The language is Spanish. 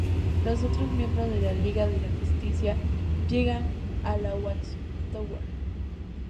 Los otros miembros de la Liga de la Justicia llegan a la Watchtower.